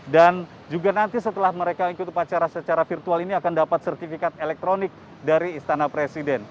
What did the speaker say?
dan juga nanti setelah mereka ikut upacara secara virtual ini akan dapat sertifikat elektronik dari istana presiden